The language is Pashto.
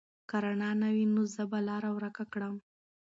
که رڼا نه وي، زه به لاره ورکه کړم.